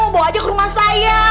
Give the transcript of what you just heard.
bawa aja ke rumah saya